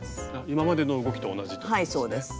今までの動きと同じってことですね。